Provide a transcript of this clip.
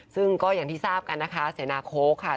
ซึ่งก็อย่างที่ทราบกันนะคะเสนาโค้กค่ะ